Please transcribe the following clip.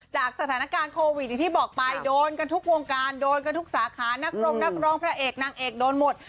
จากสถานการณ์โควิดอย่างที่บอกไปโดนกันทุกวงการโดนกันทุกสาขานักรงนักร้องพระเอกนางเอกโดนหมด